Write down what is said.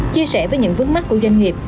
chia sẻ với những vướng mắt của doanh nghiệp